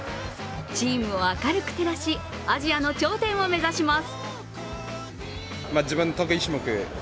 チームを明るく照らし、アジアの頂点を目指します。